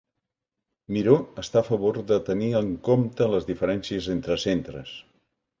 Miró està a favor de tenir en compte les diferències entre centres.